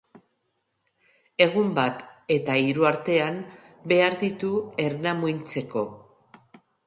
Egun bat eta hiru artean behar ditu ernamuintzeko.